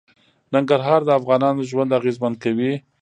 ننګرهار د افغانانو ژوند اغېزمن کوي.